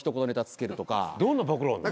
どんな暴露あんの？